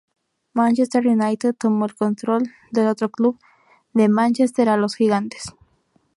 Manchester United tomó el control del otro club de Mánchester a los Gigantes.